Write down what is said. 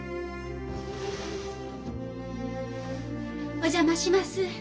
お邪魔します。